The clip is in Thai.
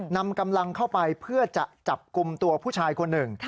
นำกำลังเข้าไปเพื่อจะจับกลุ่มตัวผู้ชายคนหนึ่ง